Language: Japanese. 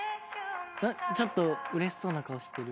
ちょっと嬉しそうな顔してる。